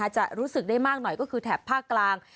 จะรู้สึกได้มากหน่อยก็คือแถบภาคกลาง